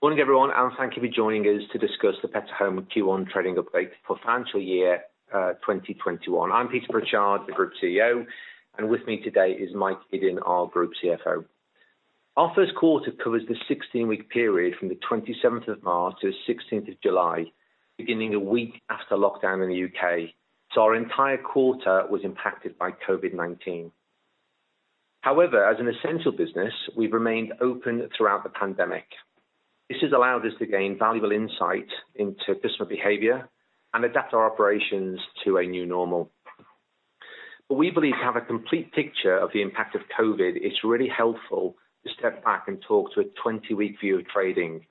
Morning, everyone, and thank you for joining us to discuss the Pets at Home Q1 trading update for financial year 2021. I'm Peter Pritchard, the Group CEO, and with me today is Mike Iddon, our Group CFO. Our first quarter covers the 16 week period from the 27th of March to the 16th of July, beginning a week after lockdown in the U.K. Our entire quarter was impacted by COVID-19. However, as an essential business, we've remained open throughout the pandemic. This has allowed us to gain valuable insight into customer behavior and adapt our operations to a new normal. We believe to have a complete picture of the impact of COVID, it's really helpful to step back and talk to a 20 week view of trading.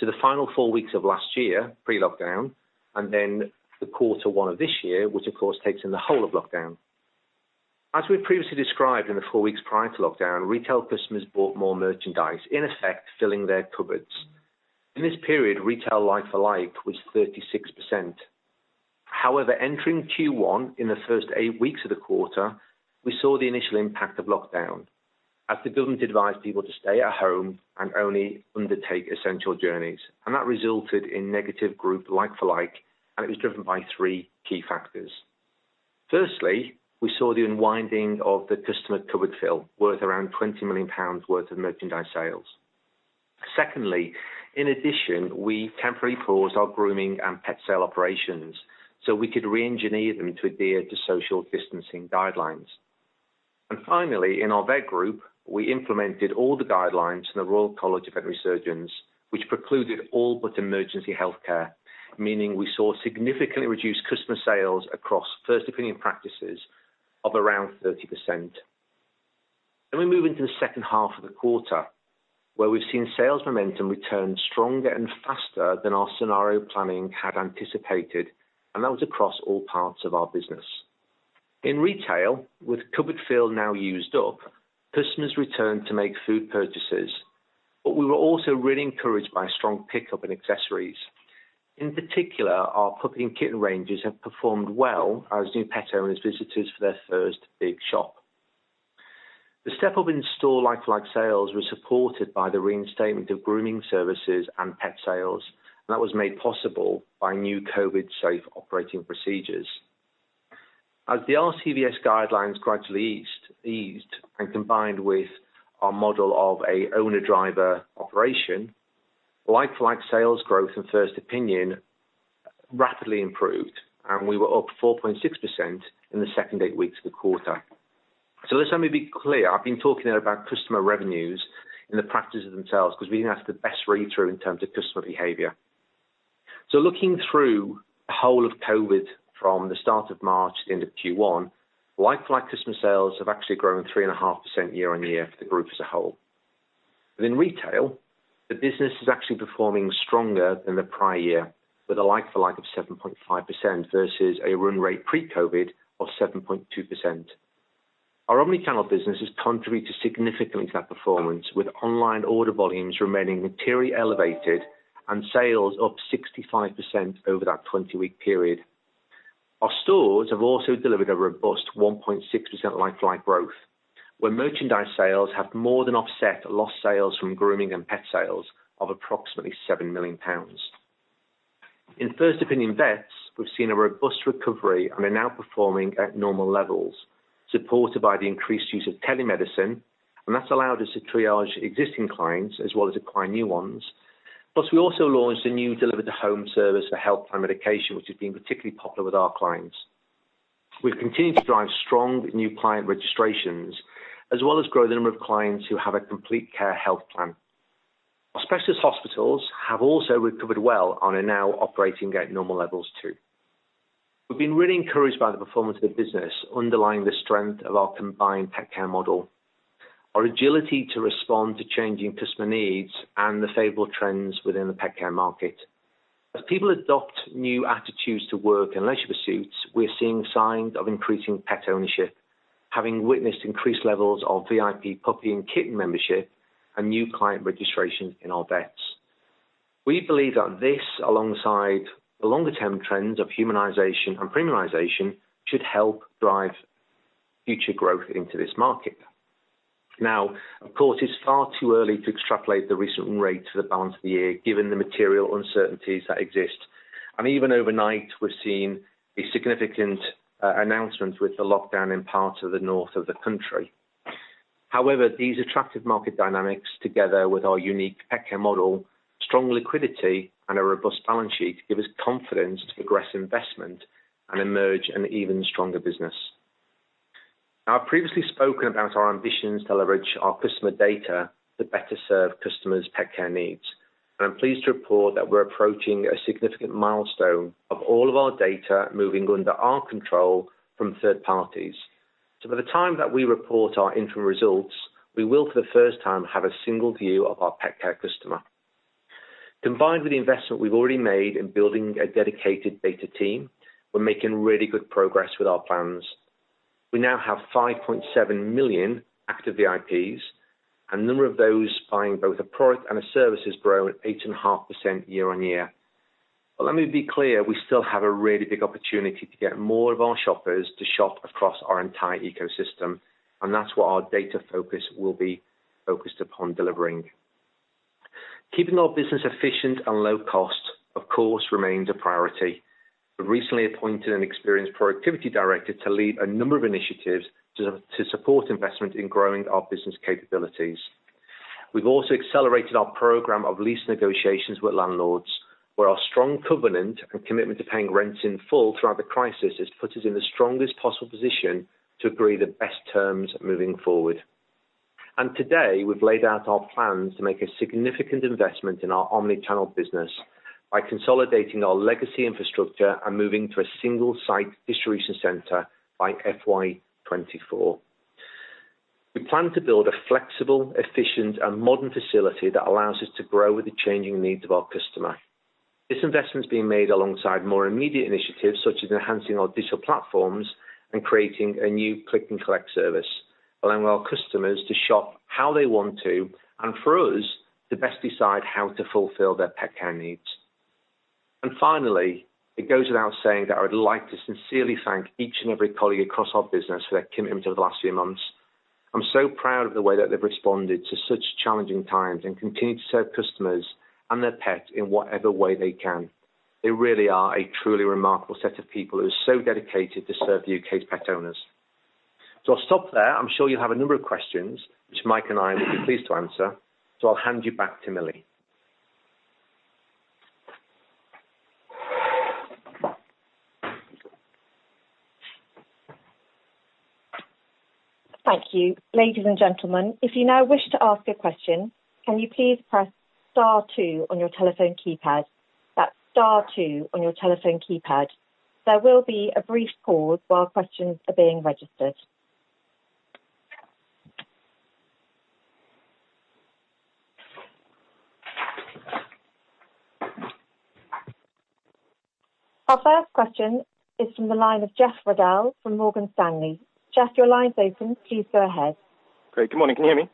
The final four weeks of last year, pre-lockdown, and then the Q1 of this year, which of course, takes in the whole of lockdown. As we previously described in the four weeks prior to lockdown, retail customers bought more merchandise, in effect, filling their cupboards. In this period, retail like-for-like was 36%. However, entering Q1 in the first eight weeks of the quarter, we saw the initial impact of lockdown as the government advised people to stay at home and only undertake essential journeys. That resulted in negative group like-for-like, and it was driven by three key factors. Firstly, we saw the unwinding of the customer cupboard fill, worth around 20 million pounds worth of merchandise sales. Secondly, in addition, we temporarily paused our grooming and pet sale operations so we could reengineer them to adhere to social distancing guidelines. Finally, in our vet group, we implemented all the guidelines in the Royal College of Veterinary Surgeons, which precluded all but emergency healthcare, meaning we saw significantly reduced customer sales across first opinion practices of around 30%. We move into the second half of the quarter, where we've seen sales momentum return stronger and faster than our scenario planning had anticipated, and that was across all parts of our business. In retail, with cupboard fill now used up, customers returned to make food purchases. We were also really encouraged by strong pickup in accessories. In particular, our puppy and kitten ranges have performed well as new pet owners visited for their first big shop. The step-up in store like-for-like sales was supported by the reinstatement of grooming services and pet sales, that was made possible by new COVID-safe operating procedures. As the RCVS guidelines gradually eased, and combined with our model of an owner-driver operation, like-for-like sales growth and first opinion rapidly improved, and we were up 4.6% in the second eight weeks of the quarter. Just let me be clear. I've been talking about customer revenues in the practices themselves because we think that's the best read-through in terms of customer behavior. Looking through the whole of COVID from the start of March to the end of Q1, like-for-like customer sales have actually grown 3.5% year-on-year for the group as a whole. In retail, the business is actually performing stronger than the prior year with a like-for-like of 7.5% versus a run rate pre-COVID of 7.2%. Our omni-channel business has contributed significantly to that performance, with online order volumes remaining materially elevated and sales up 65% over that 20 week period. Our stores have also delivered a robust 1.6% like-for-like growth, where merchandise sales have more than offset lost sales from grooming and pet sales of approximately 7 million pounds. In first opinion vets, we've seen a robust recovery and are now performing at normal levels, supported by the increased use of telemedicine, that's allowed us to triage existing clients as well as acquire new ones. We also launched a new deliver-to-home service for health and medication, which has been particularly popular with our clients. We've continued to drive strong new client registrations, as well as grow the number of clients who have a Complete Care health plan. Our specialist hospitals have also recovered well and are now operating at normal levels, too. We've been really encouraged by the performance of the business underlying the strength of our combined pet care model, our agility to respond to changing customer needs, and the favorable trends within the pet care market. As people adopt new attitudes to work and leisure pursuits, we're seeing signs of increasing pet ownership, having witnessed increased levels of VIP puppy and kitten membership and new client registration in our vets. We believe that this, alongside the longer-term trends of humanization and premiumization, should help drive future growth into this market. Of course, it's far too early to extrapolate the recent rate to the balance of the year, given the material uncertainties that exist. Even overnight, we're seeing a significant announcement with the lockdown in parts of the north of the country. These attractive market dynamics, together with our unique pet care model, strong liquidity, and a robust balance sheet, give us confidence to progress investment and emerge an even stronger business. I've previously spoken about our ambitions to leverage our customer data to better serve customers' pet care needs, and I'm pleased to report that we're approaching a significant milestone of all of our data moving under our control from third parties. By the time that we report our interim results, we will for the first time have a single view of our pet care customer. Combined with the investment we've already made in building a dedicated data team, we're making really good progress with our plans. We now have 5.7 million active VIPs, and the number of those buying both a product and a service has grown 8.5% year-on-year. Let me be clear, we still have a really big opportunity to get more of our shoppers to shop across our entire ecosystem, and that's what our data focus will be focused upon delivering. Keeping our business efficient and low cost, of course, remains a priority. We recently appointed an experienced productivity director to lead a number of initiatives to support investment in growing our business capabilities. We've also accelerated our program of lease negotiations with landlords, where our strong covenant and commitment to paying rents in full throughout the crisis has put us in the strongest possible position to agree the best terms moving forward. Today, we've laid out our plans to make a significant investment in our omni-channel business by consolidating our legacy infrastructure and moving to a single site distribution center by FY 2024. We plan to build a flexible, efficient, and modern facility that allows us to grow with the changing needs of our customer. This investment is being made alongside more immediate initiatives, such as enhancing our digital platforms and creating a new click and collect service, allowing our customers to shop how they want to, and for us, to best decide how to fulfill their pet care needs. Finally, it goes without saying that I would like to sincerely thank each and every colleague across our business for their commitment over the last few months. I'm so proud of the way that they've responded to such challenging times and continue to serve customers and their pets in whatever way they can. They really are a truly remarkable set of people who are so dedicated to serve U.K.'s pet owners. I'll stop there. I'm sure you have a number of questions, which Mike and I will be pleased to answer. I'll hand you back to Millie. Thank you. Ladies and gentlemen, if you now wish to ask a question, can you please press star two on your telephone keypad? That's star two on your telephone keypad. There will be a brief pause while questions are being registered. Our first question is from the line of Jeff Riddell from Morgan Stanley. Jeff, your line's open. Please go ahead. Great. Good morning. Can you hear me?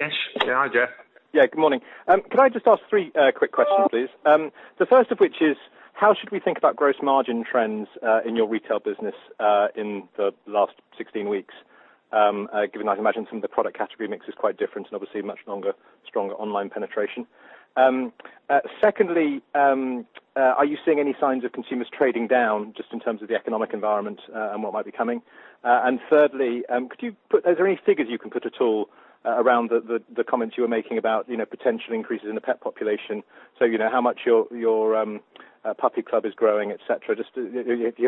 Yes. Hi, Jeff. Yeah, good morning. Can I just ask three quick questions, please? The first of which is, how should we think about gross margin trends in your retail business, in the last 16 weeks? Given I imagine some of the product category mix is quite different and obviously much longer, stronger online penetration. Secondly, are you seeing any signs of consumers trading down just in terms of the economic environment, and what might be coming? Thirdly, are there any figures you can put at all around the comments you were making about potential increases in the pet population? How much your puppy club is growing, et cetera. Just if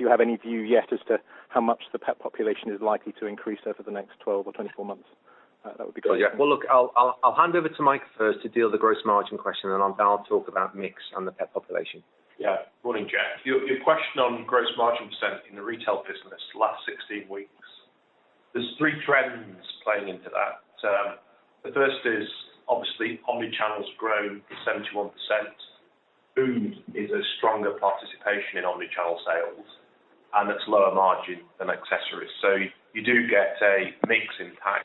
you have any view yet as to how much the pet population is likely to increase over the next 12 or 24 months. That would be great. Yeah. Well, look, I'll hand over to Mike first to deal with the gross margin question, and then I'll talk about mix and the pet population. Yeah. Morning, Jeff. Your question on gross margin percent in the retail business the last 16 weeks, there's three trends playing into that. The first is obviously omni-channel's grown 71%. Food is a stronger participation in omni-channel sales, it's lower margin than accessories. You do get a mix impact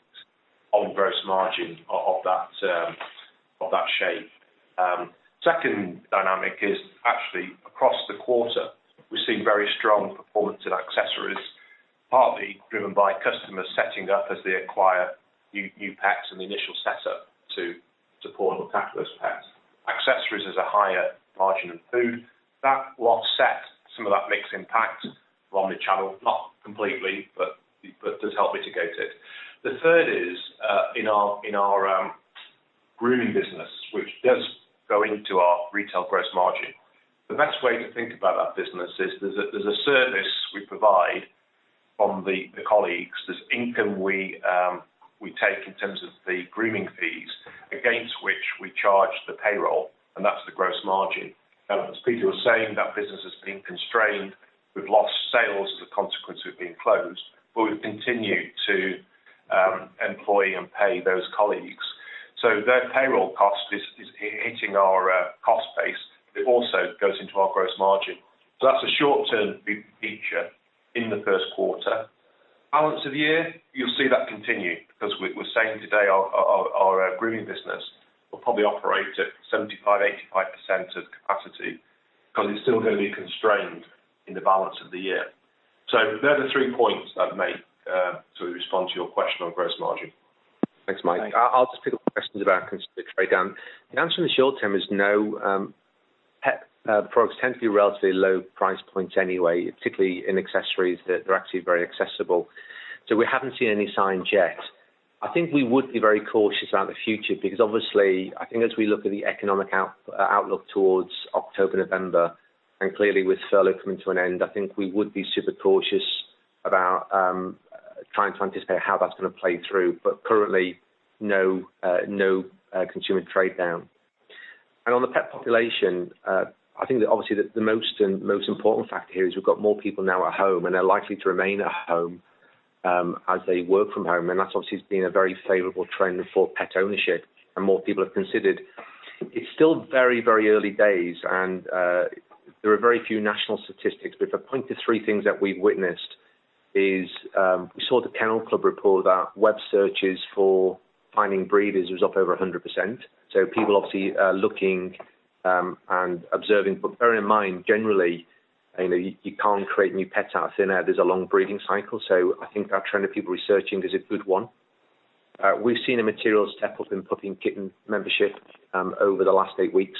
on gross margin of that shape. Second dynamic is actually across the quarter, we've seen very strong performance in accessories, partly driven by customers setting up as they acquire new pets and the initial setup to support and look after those pets. Accessories is a higher margin than food. That will offset some of that mix impact from omni-channel, not completely, but does help mitigate it. The third is, in our grooming business, which does go into our retail gross margin. The best way to think about that business is there's a service we provide from the colleagues. There's income we take in terms of the grooming fees against which we charge the payroll, and that's the gross margin. As Peter was saying, that business has been constrained. We've lost sales as a consequence of being closed, but we've continued to employ and pay those colleagues. Their payroll cost is hitting our cost base, but it also goes into our gross margin. That's a short-term feature in the first quarter. Balance of the year, you'll see that continue because we're saying today our grooming business will probably operate at 75%, 85% of capacity because it's still going to be constrained in the balance of the year. They're the three points I'd make to respond to your question on gross margin. Thanks, Mike. I'll just pick up questions about consumer trade down. The answer in the short term is no. Pet products tend to be relatively low price points anyway, particularly in accessories, they're actually very accessible. We haven't seen any signs yet. I think we would be very cautious about the future because obviously, I think as we look at the economic outlook towards October, November, and clearly with furlough coming to an end, I think we would be super cautious about trying to anticipate how that's going to play through. Currently, no consumer trade down. On the pet population, I think that obviously the most important factor here is we've got more people now at home, and they're likely to remain at home, as they work from home. That's obviously been a very favorable trend for pet ownership and more people have considered. It's still very early days, and there are very few national statistics. If I point to three things that we've witnessed, we saw The Kennel Club report that web searches for finding breeders was up over 100%. People obviously are looking and observing. Bearing in mind, generally, you can't create new pets out of thin air. There's a long breeding cycle. I think that trend of people researching is a good one. We've seen a material step-up in puppy and kitten membership over the last eight weeks,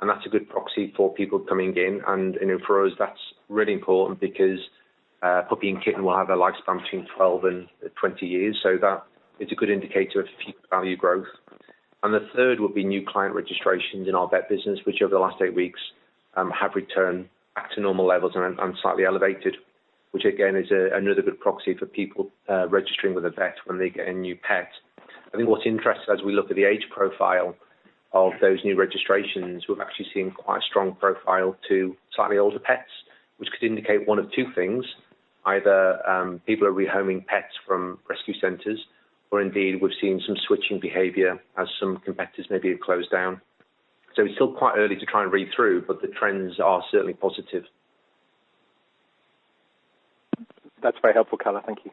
and that's a good proxy for people coming in. For us, that's really important because a puppy and kitten will have a lifespan between 12 and 20 years. That is a good indicator of future value growth. The third would be new client registrations in our vet business, which over the last eight weeks, have returned back to normal levels and slightly elevated, which again is another good proxy for people registering with a vet when they get a new pet. I think what's interesting as we look at the age profile of those new registrations, we've actually seen quite a strong profile to slightly older pets, which could indicate one of two things. Either people are re-homing pets from rescue centers or indeed, we've seen some switching behavior as some competitors maybe have closed down. It's still quite early to try and read through, but the trends are certainly positive. That's very helpful, color. Thank you.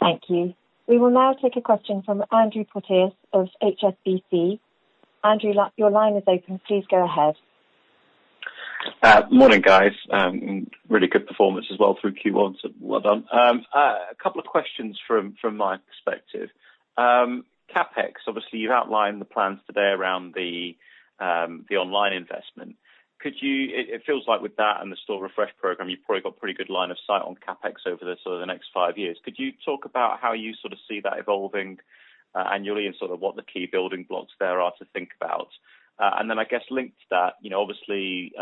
Thank you. We will now take a question from Andrew Porteous of HSBC. Andrew, your line is open. Please go ahead. Morning, guys. Really good performance as well through Q1, well done. A couple of questions from my perspective. CapEx, obviously you've outlined the plans today around the online investment. It feels like with that and the store refresh program, you've probably got pretty good line of sight on CapEx over the next five years. Could you talk about how you see that evolving annually and what the key building blocks there are to think about? I guess linked to that, obviously,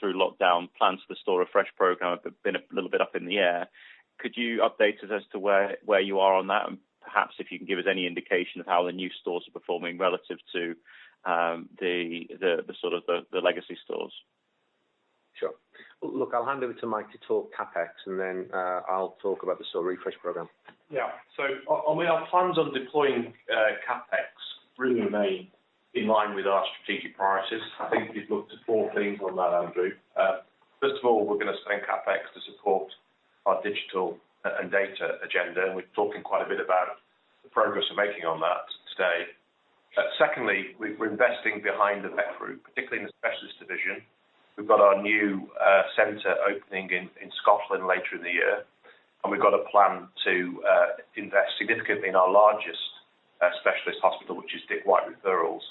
through lockdown plans for the store refresh program have been a little bit up in the air. Could you update us as to where you are on that? Perhaps if you can give us any indication of how the new stores are performing relative to the legacy stores. Sure. Look, I'll hand over to Mike to talk CapEx, and then I'll talk about the store refresh program. Yeah. Our plans on deploying CapEx really remain in line with our strategic priorities. I think if you look to four things on that, Andrew. First of all, we're going to spend CapEx to support our digital and data agenda. We're talking quite a bit about the progress we're making on that today. Secondly, we're investing behind the vet group, particularly in the specialist division. We've got our new center opening in Scotland later in the year. We've got a plan to invest significantly in our largest specialist hospital, which is Dick White Referrals.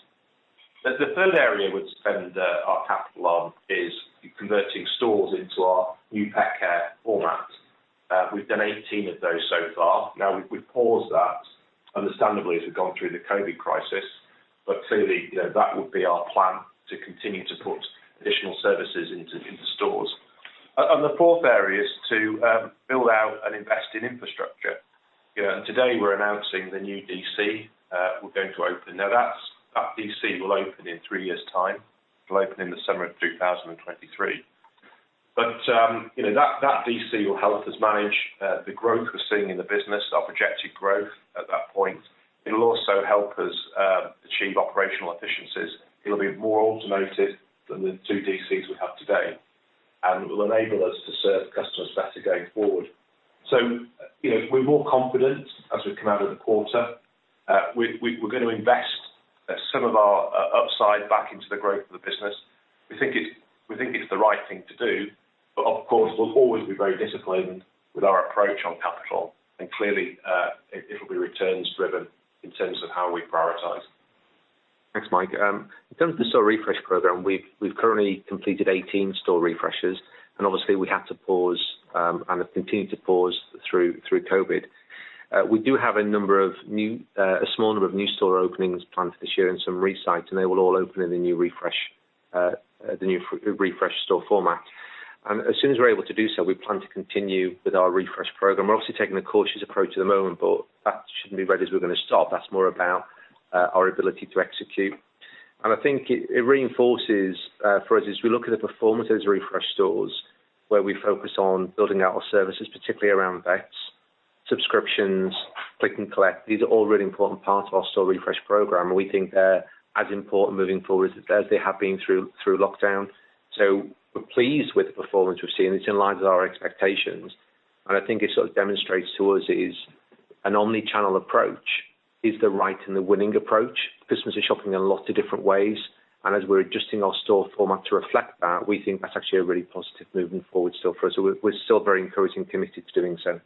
The third area we'd spend our capital on is converting stores into our new pet care format. We've done 18 of those so far. Now we've paused that, understandably, as we've gone through the COVID crisis. Clearly, that would be our plan to continue to put additional services into stores. The fourth area is to build out and invest in infrastructure. Today we're announcing the new DC we're going to open. That DC will open in three years' time. It'll open in the summer of 2023. That DC will help us manage the growth we're seeing in the business, our projected growth at that point. It'll also help us achieve operational efficiencies. It'll be more automated than the two DCs we have today. It will enable us to serve customers better going forward. We're more confident as we've come out of the quarter. We're going to invest some of our upside back into the growth of the business. We think it's the right thing to do, but of course, we'll always be very disciplined with our approach on capital. Clearly, it'll be returns driven in terms of how we prioritize. Thanks, Mike. In terms of the store refresh program, we've currently completed 18 store refreshes, and obviously we had to pause, and have continued to pause through COVID. We do have a small number of new store openings planned for this year and some re-sites, and they will all open in the new refresh store format. As soon as we're able to do so, we plan to continue with our refresh program. We're obviously taking a cautious approach at the moment, but that shouldn't be read as we're going to stop. That's more about our ability to execute. I think it reinforces for us as we look at the performance of those refresh stores, where we focus on building out our services, particularly around vets, subscriptions, click and collect. These are all really important parts of our store refresh program, and we think they're as important moving forward as they have been through lockdown. We're pleased with the performance we've seen. It's in line with our expectations. I think it sort of demonstrates to us is an omni-channel approach is the right and the winning approach. Customers are shopping in lots of different ways, and as we're adjusting our store format to reflect that, we think that's actually a really positive moving forward still for us. We're still very encouraged and committed to doing so.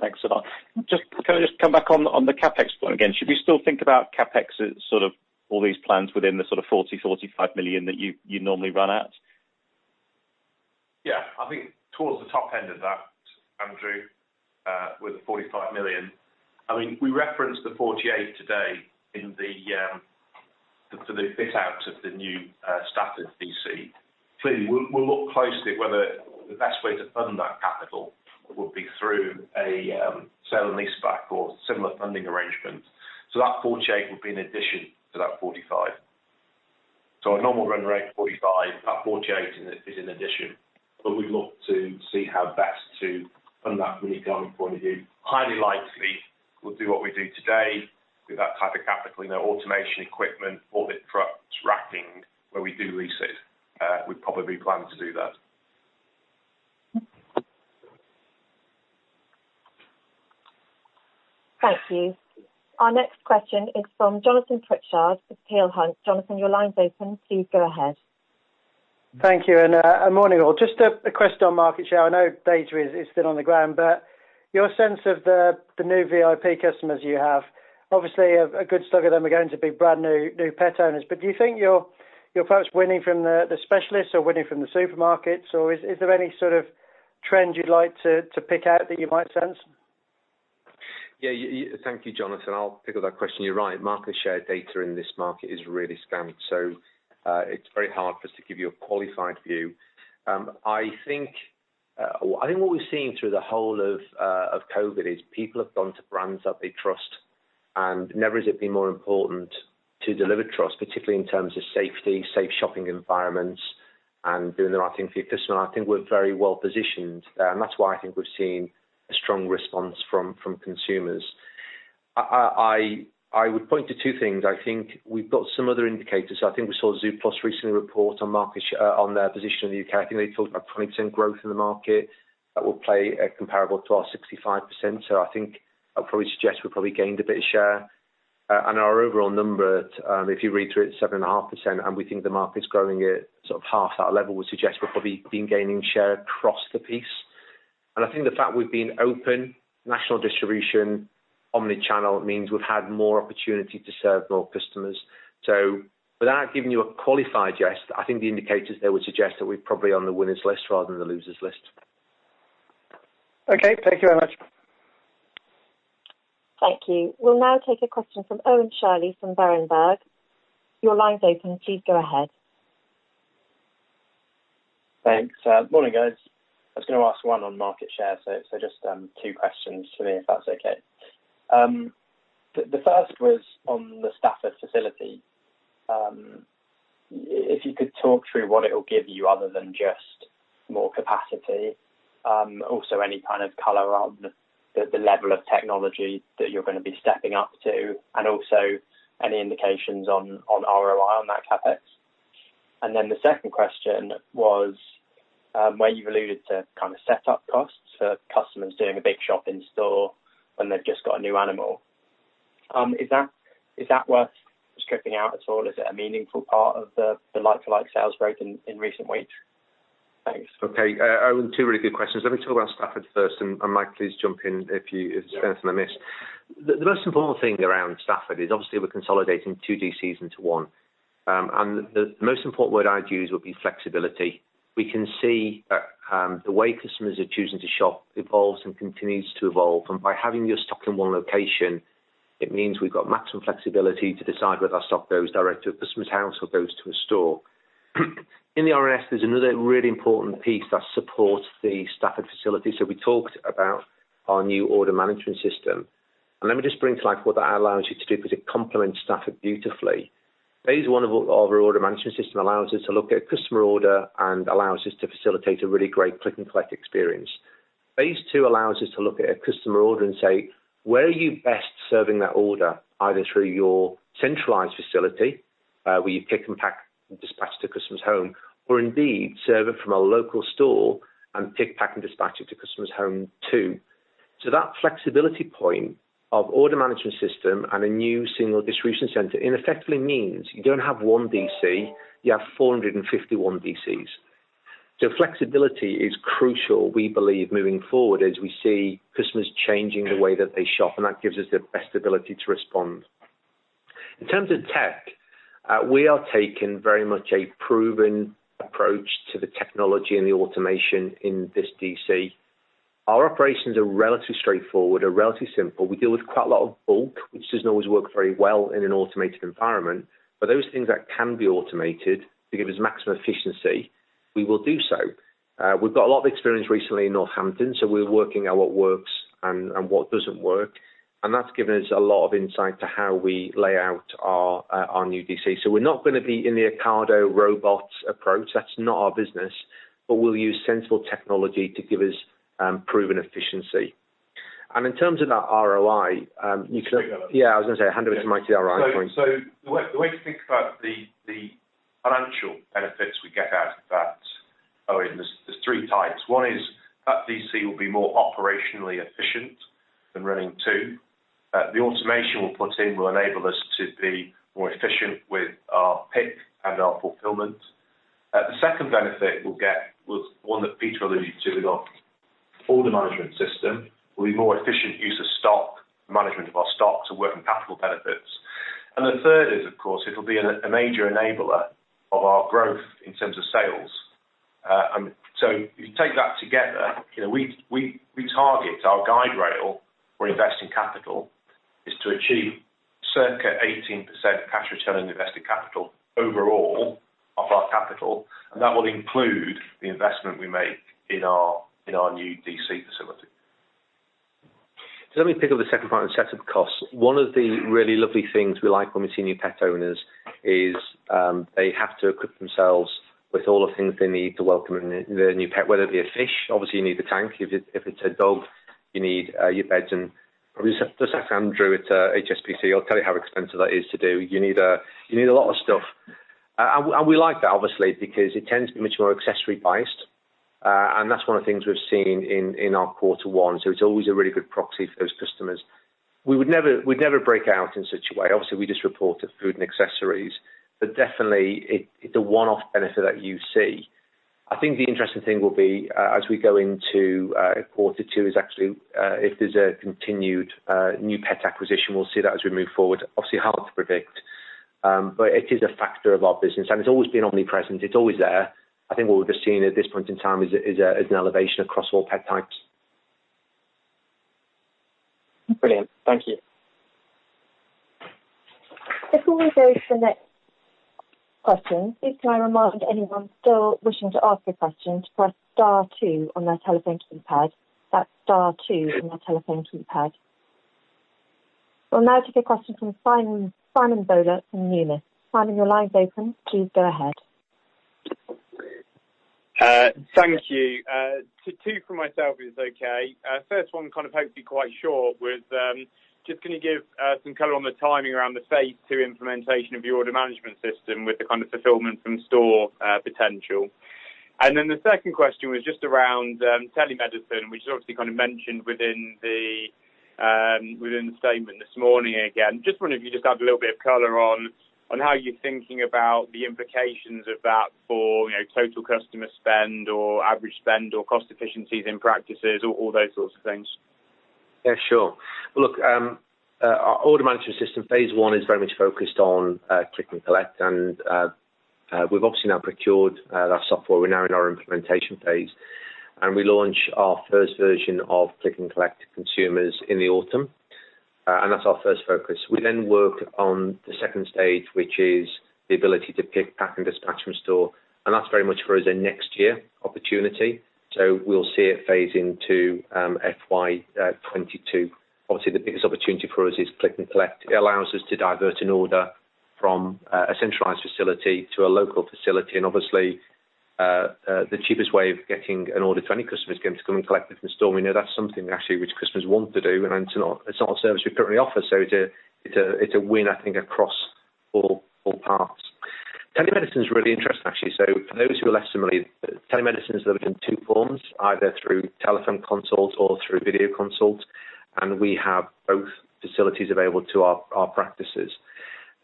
Thanks a lot. Can I just come back on the CapEx point again? Should we still think about CapEx as sort of all these plans within the sort of 40 million-45 million that you normally run at? Yeah. I think towards the top end of that, Andrew, with the 45 million. We referenced the 48 million today for the fit out of the new Stafford DC. Clearly, we'll look closely at whether the best way to fund that capital would be through a sale and lease back or similar funding arrangement. That 48 million would be in addition to that 45 million. Our normal run rate of 45 million, that 48 million is in addition. We'd look to see how best. From that really stand point of view, highly likely we'll do what we do today with that type of capital, automation equipment, orbit trucks, racking, where we do lease it. We probably plan to do that. Thank you. Our next question is from Jonathan Pritchard of Peel Hunt. Jonathan, your line's open. Please go ahead. Thank you. Morning, all. Just a question on market share. I know data is still on the ground, but your sense of the new VIP customers you have. Obviously, a good slug of them are going to be brand new pet owners. Do you think you're perhaps winning from the specialists or winning from the supermarkets, or is there any sort of trend you'd like to pick out that you might sense? Thank you, Jonathan. I'll pick up that question. You're right, market share data in this market is really scant, so it's very hard for us to give you a qualified view. I think what we've seen through the whole of COVID is people have gone to brands that they trust, and never has it been more important to deliver trust, particularly in terms of safety, safe shopping environments, and doing the right thing for your customer. I think we're very well positioned, and that's why I think we've seen a strong response from consumers. I would point to two things. I think we've got some other indicators. I think we saw zooplus recently report on their position in the U.K. I think they talked about 20% growth in the market. That will play comparable to our 65%. I think I'd probably suggest we probably gained a bit of share. Our overall number, if you read through it, 7.5%, and we think the market's growing at sort of half that level, would suggest we've probably been gaining share across the piece. I think the fact we've been open, national distribution, omni-channel, means we've had more opportunity to serve more customers. Without giving you a qualified guess, I think the indicators there would suggest that we're probably on the winners list rather than the losers list. Okay. Thank you very much. Thank you. We will now take a question from Owen Shirley from Berenberg. Your line is open. Please go ahead. Thanks. Morning, guys. I was going to ask one on market share, so just two questions for me, if that's okay. The first was on the Stafford facility. If you could talk through what it'll give you other than just more capacity. Any kind of color on the level of technology that you're going to be stepping up to, and any indications on ROI on that CapEx. The second question was, where you've alluded to kind of set up costs for customers doing a big shop in store when they've just got a new animal. Is that worth stripping out at all? Is it a meaningful part of the like-for-like sales growth in recent weeks? Thanks. Okay, Owen, two really good questions. Let me talk about Stafford first, and Mike, please jump in if there's anything I miss. The most important thing around Stafford is obviously we're consolidating two DCs into one. The most important word I'd use would be flexibility. We can see that the way customers are choosing to shop evolves and continues to evolve. By having your stock in one location, it means we've got maximum flexibility to decide whether our stock goes direct to a customer's house or goes to a store. In the RNS, there's another really important piece that supports the Stafford facility. We talked about our new order management system. Let me just bring to life what that allows you to do, because it complements Stafford beautifully. Phase I of our order management system allows us to look at a customer order and allows us to facilitate a really great click-and-collect experience. Phase II allows us to look at a customer order and say, where are you best serving that order, either through your centralized facility, where you pick and pack and dispatch to customer's home, or indeed serve it from a local store and pick, pack, and dispatch it to customer's home, too. That flexibility point of order management system and a new single distribution center effectively means you don't have one DC, you have 451 DCs. Flexibility is crucial, we believe, moving forward as we see customers changing the way that they shop, and that gives us the best ability to respond. In terms of tech, we are taking very much a proven approach to the technology and the automation in this DC. Our operations are relatively straightforward, relatively simple. We deal with quite a lot of bulk, which doesn't always work very well in an automated environment. Those things that can be automated to give us maximum efficiency, we will do so. We've got a lot of experience recently in Northampton, so we're working out what works and what doesn't work. That's given us a lot of insight to how we lay out our new DC. We're not going to be in the Ocado robots approach. That's not our business. We'll use sensible technology to give us proven efficiency. In terms of that ROI, you can I'll pick that up. Yeah, I was going to say, hand over to Mike here on that point. The way to think about the financial benefits we get out of that, Owen, there's three types. One is that DC will be more operationally efficient than running two. The automation we'll put in will enable us to be more efficient with our pick and our fulfillment. The second benefit we'll get was one that Peter alluded to with our order management system, will be more efficient use of stock, management of our stock, so working capital benefits. The third is, of course, it'll be a major enabler of our growth in terms of sales. If you take that together, we target our guide rail for investing capital is to achieve circa 18% cash return on invested capital overall of our capital, and that will include the investment we make in our new DC facility. Let me pick up the second part on the setup costs. One of the really lovely things we like when we see new pet owners is they have to equip themselves with all the things they need to welcome their new pet, whether it be a fish, obviously you need the tank. If it's a dog, you need your beds and just as Andrew at HSBC, I'll tell you how expensive that is to do. You need a lot of stuff. We like that obviously, because it tends to be much more accessory biased. That's one of the things we've seen in our quarter one. It's always a really good proxy for those customers. We'd never break out in such a way. Obviously, we just report the food and accessories, but definitely it's a one-off benefit that you see. I think the interesting thing will be, as we go into quarter two is actually, if there's a continued new pet acquisition, we'll see that as we move forward. Obviously hard to predict, but it is a factor of our business and it's always been omnipresent. It's always there. I think what we're just seeing at this point in time is an elevation across all pet types. Brilliant. Thank you. Before we go to the next question, please can I remind anyone still wishing to ask a question to press star two on their telephone keypad. That's star two on their telephone keypad. We'll now take a question from Simon Bowler from Numis. Simon, your line's open. Please go ahead. Thank you. two from myself, if it's okay. First one kind of hopefully quite short with just can you give some color on the timing around the phase II implementation of your order management system with the kind of fulfillment from store potential. Then the second question was just around telemedicine, which you obviously kind of mentioned within the statement this morning again. Just wonder if you could just add a little bit of color on how you're thinking about the implications of that for total customer spend or average spend or cost efficiencies in practices, all those sorts of things. Yeah, sure. Our order management system phase I is very much focused on click and collect and we've obviously now procured that software. We're now in our implementation phase, and we launch our first version of click and collect to consumers in the autumn. That's our first focus. We work on the second stage, which is the ability to pick, pack, and dispatch from store. That's very much for us a next year opportunity. We'll see it phase into FY 2022. Obviously, the biggest opportunity for us is click and collect. It allows us to divert an order from a centralized facility to a local facility. Obviously, the cheapest way of getting an order to any customer is going to come and collect it from store. We know that's something actually which customers want to do, and it's not a service we currently offer. It's a win, I think, across all parts. Telemedicine is really interesting, actually. For those who are less familiar, telemedicine is delivered in two forms, either through telephone consult or through video consult. We have both facilities available to our practices.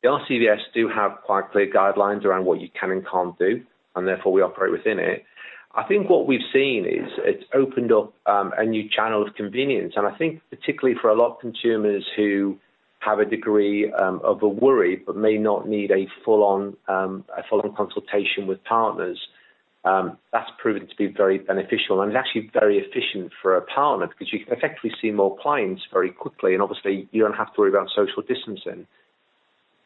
The RCVS do have quite clear guidelines around what you can and can't do, and therefore we operate within it. I think what we've seen is it's opened up a new channel of convenience. I think particularly for a lot of consumers who have a degree of a worry but may not need a full-on consultation with partners, that's proven to be very beneficial. It's actually very efficient for a partner because you can effectively see more clients very quickly, and obviously you don't have to worry about social distancing.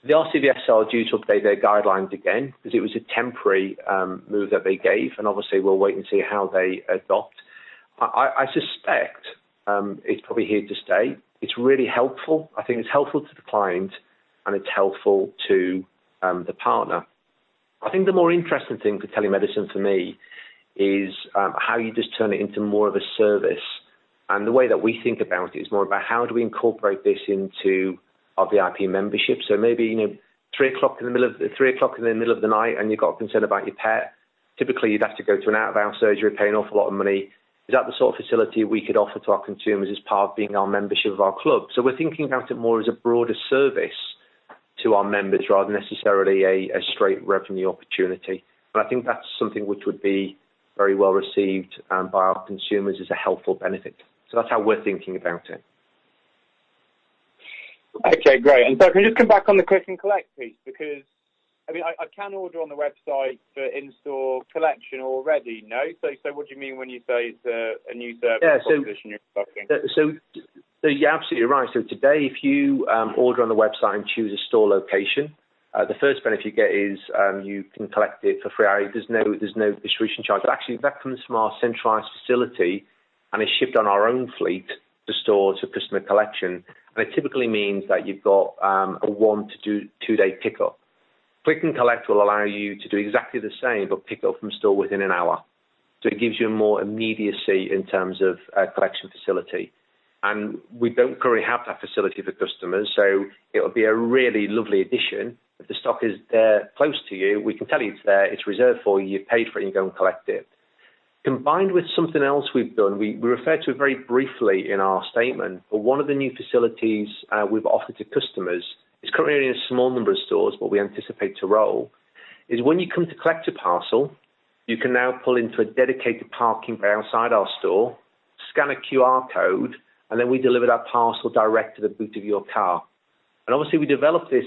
The RCVS are due to update their guidelines again because it was a temporary move that they gave. Obviously, we'll wait and see how they adopt. I suspect it's probably here to stay. It's really helpful. I think it's helpful to the client and it's helpful to the partner. I think the more interesting thing for telemedicine for me is how you just turn it into more of a service. The way that we think about it is more about how do we incorporate this into our VIP membership. Maybe three o'clock in the middle of the night and you've got a concern about your pet. Typically, you'd have to go to an out of hour surgery, pay an awful lot of money. Is that the sort of facility we could offer to our consumers as part of being our membership of our club? We're thinking about it more as a broader service to our members rather than necessarily a straight revenue opportunity. I think that's something which would be very well received by our consumers as a helpful benefit. That's how we're thinking about it. Okay, great. Can you just come back on the click and collect piece because I mean, I can order on the website for in-store collection already, no? What do you mean when you say it's a new service proposition you're offering? You're absolutely right. Today, if you order on the website and choose a store location, the first benefit you get is you can collect it for free. There's no distribution charge. Actually that comes from our centralized facility and is shipped on our own fleet to store to customer collection. It typically means that you've got a one to two-day pickup. Click and collect will allow you to do exactly the same, but pick up from store within an hour. It gives you more immediacy in terms of collection facility. We don't currently have that facility for customers, so it'll be a really lovely addition. If the stock is there close to you, we can tell you it's there, it's reserved for you've paid for it, and you go and collect it. Combined with something else we've done, we refer to it very briefly in our statement, one of the new facilities we've offered to customers is currently in a small number of stores, but we anticipate to roll, is when you come to collect a parcel, you can now pull into a dedicated parking bay outside our store, scan a QR code, and then we deliver that parcel direct to the boot of your car. Obviously we developed this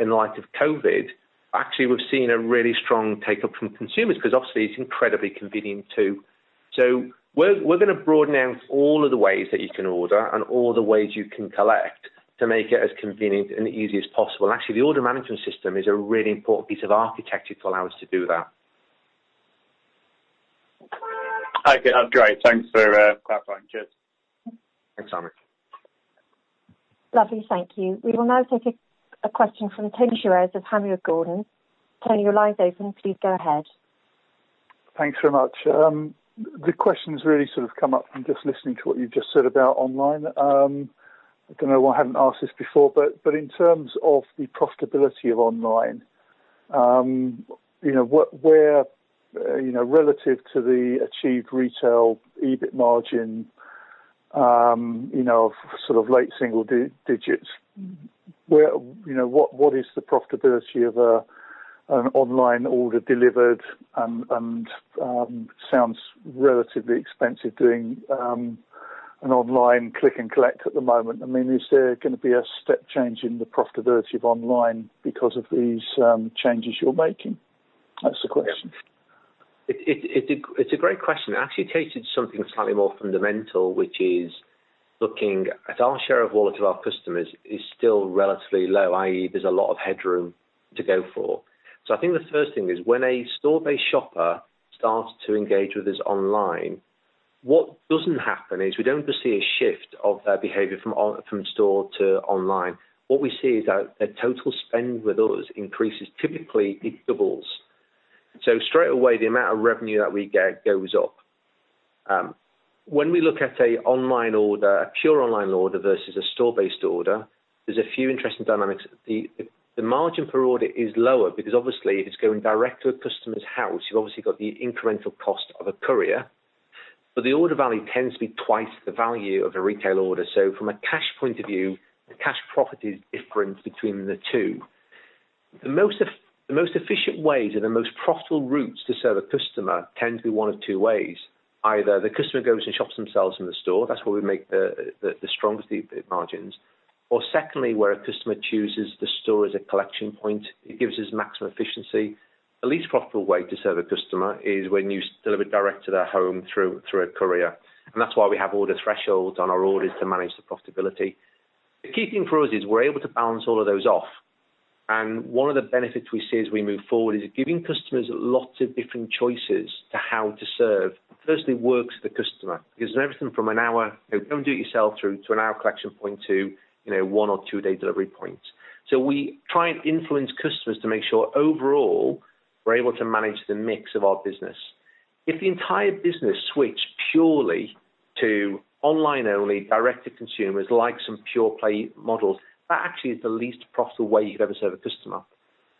in light of COVID. Actually, we've seen a really strong take-up from consumers because obviously it's incredibly convenient too. We're going to broaden out all of the ways that you can order and all the ways you can collect to make it as convenient and easy as possible. Actually, the order management system is a really important piece of architecture to allow us to do that. Okay, that's great. Thanks for clarifying. Cheers. Thanks, Simon. Lovely. Thank you. We will now take a question from Tony Shiret of Panmure Gordon. Tony, your line's open. Please go ahead. Thanks very much. The questions really sort of come up from just listening to what you've just said about online. I don't know why I haven't asked this before, in terms of the profitability of online, where relative to the achieved retail EBIT margin of late single digits, what is the profitability of an online order delivered? It sounds relatively expensive doing an online click and collect at the moment. Is there going to be a step change in the profitability of online because of these changes you're making? That's the question. It's a great question. It actually touches something slightly more fundamental, which is looking at our share of wallet of our customers is still relatively low, i.e., there is a lot of headroom to go for. I think the first thing is when a store-based shopper starts to engage with us online, what doesn't happen is we don't see a shift of their behavior from store to online. What we see is that their total spend with us increases, typically it doubles. Straight away, the amount of revenue that we get goes up. When we look at an online order, a pure online order versus a store-based order, there is a few interesting dynamics. The margin per order is lower because obviously it is going direct to a customer's house. You have obviously got the incremental cost of a courier. The order value tends to be twice the value of a retail order. From a cash point of view, the cash profit is different between the two. The most efficient ways or the most profitable routes to serve a customer tend to be one of two ways. Either the customer goes and shops themselves in the store, that's where we make the strongest EBIT margins. Secondly, where a customer chooses the store as a collection point, it gives us maximum efficiency. The least profitable way to serve a customer is when you deliver direct to their home through a courier, and that's why we have order thresholds on our orders to manage the profitability. The key thing for us is we're able to balance all of those off, and one of the benefits we see as we move forward is giving customers lots of different choices to how to serve firstly works the customer. It gives them everything from an hour, come do it yourself through to an hour collection point to one or two-day delivery points. We try and influence customers to make sure overall, we're able to manage the mix of our business. If the entire business switched purely to online only direct to consumers, like some pure-play models, that actually is the least profitable way you could ever serve a customer.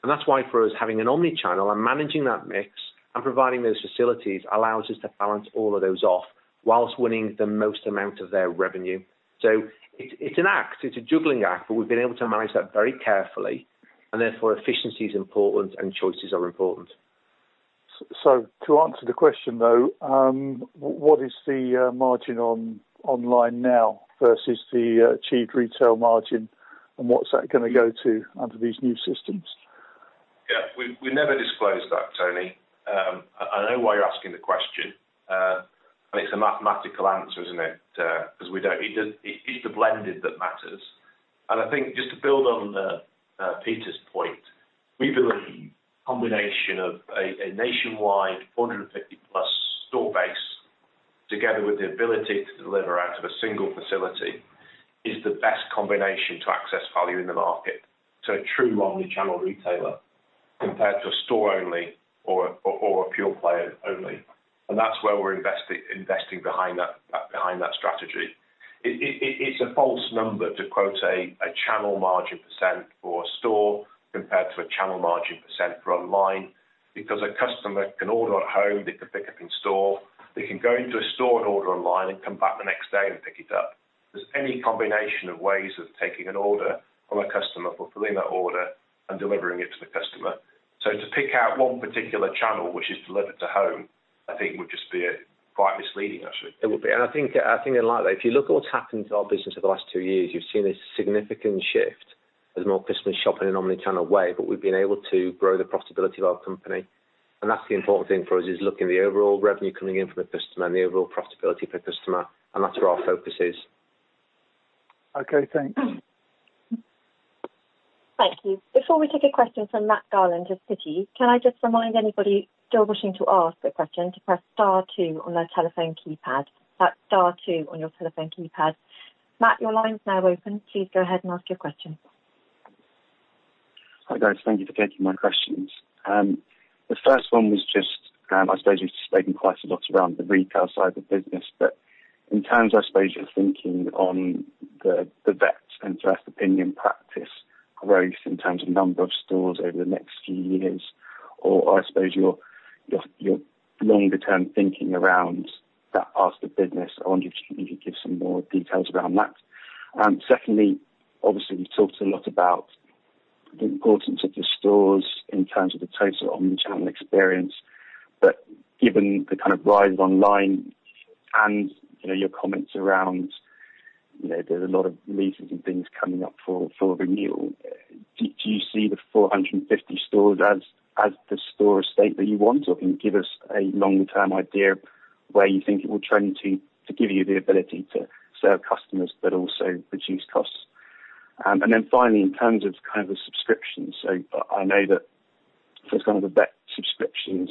That's why for us, having an omni-channel and managing that mix and providing those facilities allows us to balance all of those off whilst winning the most amount of their revenue. It's an act, it's a juggling act, but we've been able to manage that very carefully, and therefore efficiency is important and choices are important. To answer the question, though, what is the margin online now versus the achieved retail margin, and what's that going to go to under these new systems? Yeah. We never disclose that, Tony. I know why you're asking the question. It's a mathematical answer, isn't it? Because it is the blended that matters. I think just to build on Peter's point, we believe the combination of a nationwide 450-plus store base together with the ability to deliver out of a single facility is the best combination to access value in the market to a true omni-channel retailer compared to a store only or a pure-play only. That's where we're investing behind that strategy. It's a false number to quote a channel margin percent for a store compared to a channel margin percent for online because a customer can order at home, they can pick up in store, they can go into a store and order online and come back the next day and pick it up. There's any combination of ways of taking an order from a customer, fulfilling that order, and delivering it to the customer. To pick out one particular channel which is deliver-to-home, I think would just be quite misleading, actually. It would be. I think, like that, if you look at what's happened to our business over the last two years, you've seen a significant shift as more customers shop in an omni-channel way, but we've been able to grow the profitability of our company. That's the important thing for us is looking at the overall revenue coming in from a customer and the overall profitability per customer, and that's where our focus is. Okay, thanks. Thank you. Before we take a question from Matt Garland of Citi, can I just remind anybody still wishing to ask a question to press star two on their telephone keypad. That's star two on your telephone keypad. Matt, your line's now open. Please go ahead and ask your question. Hi, guys. Thank you for taking my questions. The first one was, I suppose you've spoken quite a lot around the retail side of the business, but in terms of, I suppose, your thinking on the vet and Vets for Pets practice growth in terms of number of stores over the next few years, or I suppose your longer-term thinking around that part of the business, I wonder if you could give some more details around that. Obviously you've talked a lot about the importance of the stores in terms of the total omni-channel experience, but given the kind of rise of online and your comments around there's a lot of leases and things coming up for renewal, do you see the 450 stores as the store estate that you want? Can you give us a longer-term idea of where you think it will trend to give you the ability to serve customers but also reduce costs? Finally, in terms of the subscriptions. I know that for some of the vet subscriptions,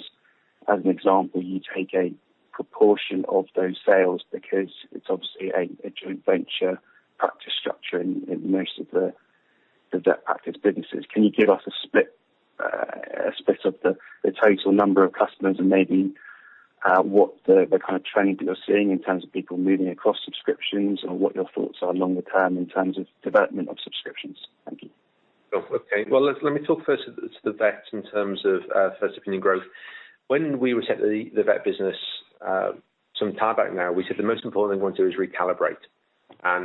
as an example, you take a proportion of those sales because it's obviously a joint venture practice structure in most of the vet practice businesses. Can you give us a split of the total number of customers and maybe what the kind of trend that you are seeing in terms of people moving across subscriptions and what your thoughts are longer term in terms of development of subscriptions? Thank you. Oh, okay. Well, let me talk first to the vets in terms of first opinion growth. When we took the vet business some time back now, we said the most important thing we want to do is recalibrate.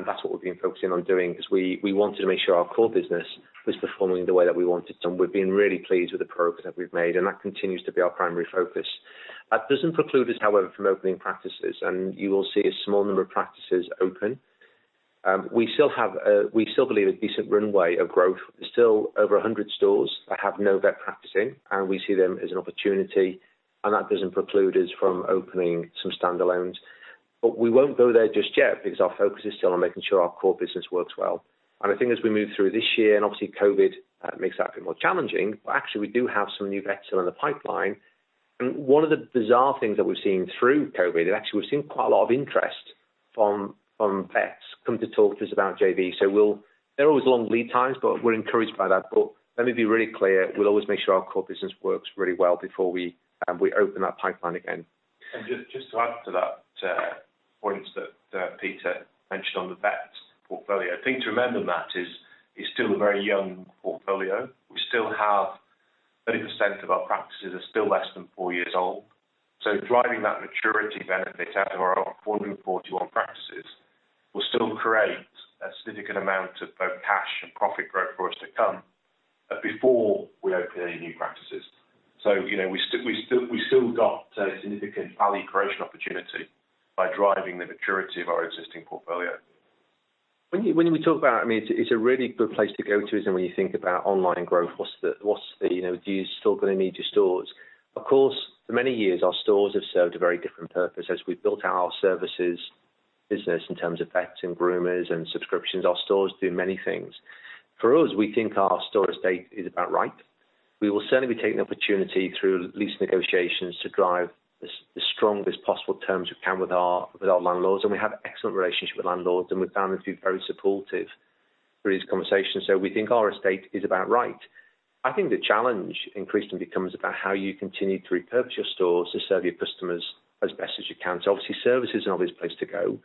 That's what we've been focusing on doing because we wanted to make sure our core business was performing the way that we wanted, and we've been really pleased with the progress that we've made, and that continues to be our primary focus. That doesn't preclude us, however, from opening practices, and you will see a small number of practices open. We still believe a decent runway of growth is still over 100 stores that have no vet practicing, and we see them as an opportunity, and that doesn't preclude us from opening some standalones. We won't go there just yet because our focus is still on making sure our core business works well. I think as we move through this year, and obviously COVID makes that a bit more challenging, but actually we do have some new vets still in the pipeline. One of the bizarre things that we've seen through COVID, actually we've seen quite a lot of interest from vets come to talk to us about JV. There are always long lead times, but we're encouraged by that. Let me be really clear, we'll always make sure our core business works really well before we open that pipeline again. Just to add to that point that Peter mentioned on the vet portfolio. The thing to remember, Matt, is it's still a very young portfolio. We still have 30% of our practices are still less than four years old. Driving that maturity benefit out of our 441 practices will still create a significant amount of both cash and profit growth for us to come, before we open any new practices. We still got a significant value creation opportunity by driving the maturity of our existing portfolio. When we talk about, it's a really good place to go to, isn't it, when you think about online growth, are you still going to need your stores? Of course, for many years our stores have served a very different purpose as we've built our services business in terms of vets and groomers and subscriptions. Our stores do many things. For us, we think our store estate is about right. We will certainly be taking opportunity through lease negotiations to drive the strongest possible terms we can with our landlords, and we have excellent relationship with landlords, and we've found them to be very supportive through these conversations. We think our estate is about right. I think the challenge increasingly becomes about how you continue to repurpose your stores to serve your customers as best as you can. Obviously, service is an obvious place to go.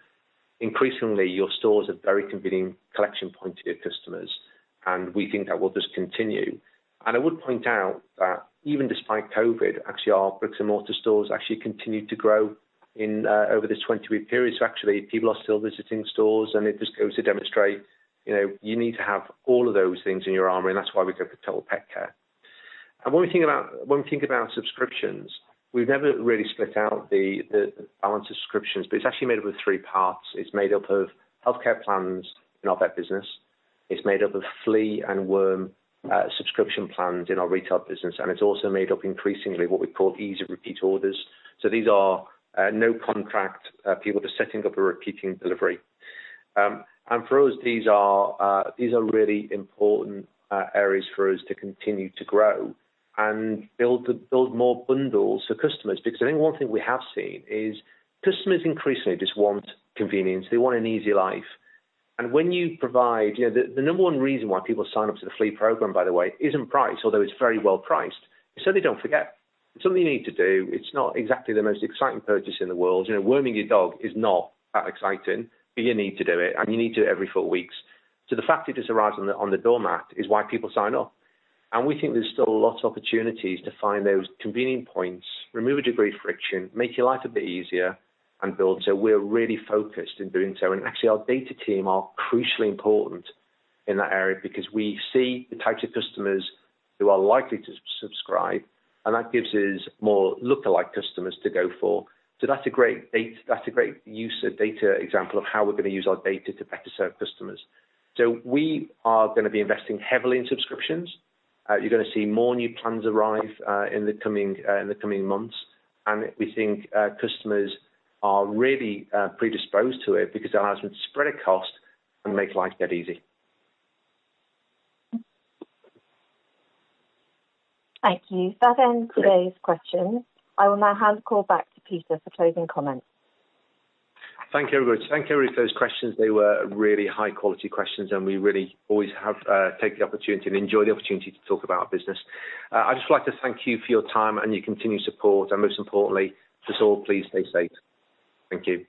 Increasingly, your stores are very convenient collection point to your customers, we think that will just continue. I would point out that even despite COVID, actually our bricks and mortar stores actually continued to grow over this 20 week period. Actually people are still visiting stores and it just goes to demonstrate you need to have all of those things in your armor, and that's why we go for total pet care. When we think about subscriptions, we've never really split out our subscriptions, but it's actually made up of three parts. It's made up of healthcare plans in our vet business, it's made up of flea and worm subscription plans in our retail business, and it's also made up increasingly what we call Easy Repeat orders. These are no contract people just setting up a repeating delivery. For us, these are really important areas for us to continue to grow and build more bundles for customers because I think one thing we have seen is customers increasingly just want convenience. They want an easy life. The number one reason why people sign up to the flea program, by the way, isn't price, although it's very well priced, so they don't forget. It's something you need to do. It's not exactly the most exciting purchase in the world. Worming your dog is not that exciting, but you need to do it, and you need to do it every four weeks. The fact it just arrives on the doormat is why people sign up. We think there's still a lot of opportunities to find those convenient points, remove a degree of friction, make your life a bit easier and build. We're really focused in doing so. Actually our data team are crucially important in that area because we see the types of customers who are likely to subscribe, and that gives us more lookalike customers to go for. That's a great use of data example of how we're going to use our data to better serve customers. We are going to be investing heavily in subscriptions. You're going to see more new plans arrive in the coming months. We think customers are really predisposed to it because it allows them to spread a cost and make life dead easy. Thank you. That ends today's questions. I will now hand the call back to Peter for closing comments. Thank you, everybody. Thank you for those questions. They were really high quality questions and we really always take the opportunity and enjoy the opportunity to talk about our business. I'd just like to thank you for your time and your continued support, and most importantly, just all please stay safe. Thank you